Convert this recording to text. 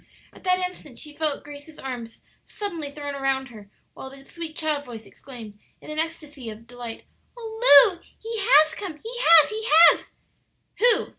At that instant she felt Grace's arms suddenly thrown round her, while the sweet child voice exclaimed, in an ecstasy of delight, "Oh, Lu, he has come! he has, he has!" "Who?"